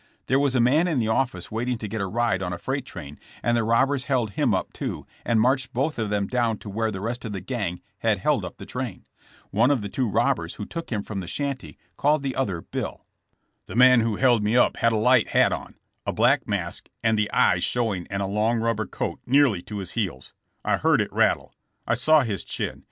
There was a man in the office waiting to get a ride on a freight train, and the robbers held him up, too, and marched both of them down to where the rest of the gang had held up the train. One of the tv/o robbers who took him from the shanty called the other Bill. *' The man who held me up had a light hat on, a black mask with the eyes showing and a long rubber coat nearly to his heels. I heard it rattle. I saw his chin.